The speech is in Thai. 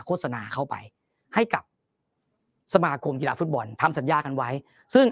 โฆษณาเข้าไปให้กับสมาคมกีฬาฟุตบอลทำสัญญากันไว้ซึ่ง